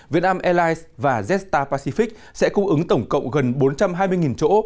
việt nam airlines và jetstar pacific sẽ cung ứng tổng cộng gần bốn trăm hai mươi chỗ